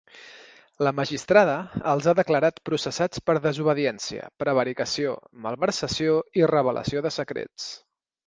La magistrada els ha declarat processats per desobediència, prevaricació, malversació i revelació de secrets.